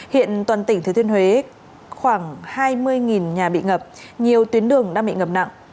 hiện toàn tỉnh thừa thiên huế khoảng hai mươi nhà bị ngập nhiều tuyến đường đang bị ngập nặng